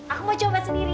aku mau coba sendiri